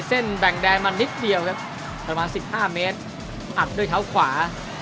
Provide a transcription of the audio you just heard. แบ่งแดนมานิดเดียวครับประมาณสิบห้าเมตรอัดด้วยเท้าขวา